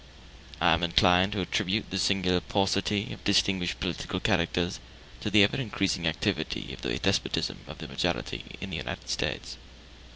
I am inclined to attribute the singular paucity of distinguished political characters to the ever increasing activity of the despotism of the majority in the United States.